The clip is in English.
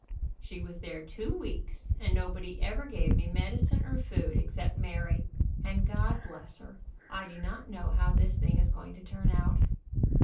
She was there two weeks, and nobody ever gave me medicine or food except Alary, and God bless her, I do not know how this thing is going to turn out.